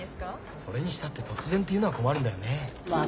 それにしたって突然っていうのは困るんだよね。